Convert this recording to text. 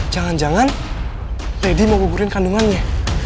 jangan jangan lady mau gugurin kandungannya